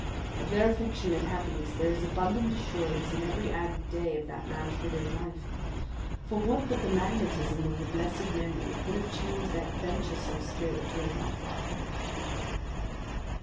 Of their affection and happiness there is abundant assurance in every added day of the man's widowed life; for what but the magnetism of a blessed memory could have chained that venturesome spirit to a lot like that?